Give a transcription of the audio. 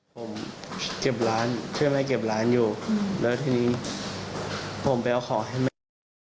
ผมเก็บร้านใช่ไหมเก็บร้านอยู่แล้วทีนี้ผมไปเอาของให้แม่